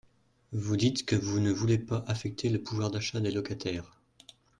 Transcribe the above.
Vous dites que vous ne voulez pas affecter le pouvoir d’achat des locataires.